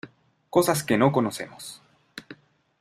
cosas que no conocemos...